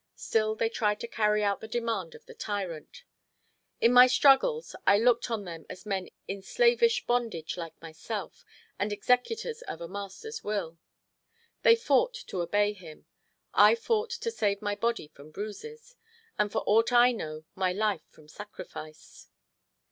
Still they tried to carry out the demand of the tyrant. In my struggles I looked on them as men in slavish bondage like myself, and executors of a master's will. They fought to obey him, I fought to save my body from bruises, and for aught I know, my life from sacrifice.